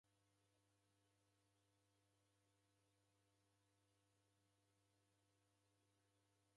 Vilambo vake ukaneka W'andu wadavidagha.